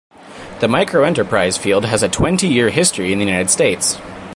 The microenterprise field has a twenty-year history in the United States.